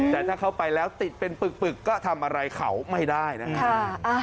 แต่ถ้าเขาไปแล้วติดเป็นปึกก็ทำอะไรเขาไม่ได้นะครับ